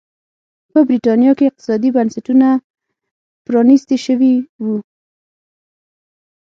په برېټانیا کې اقتصادي بنسټونه پرانيستي شوي وو.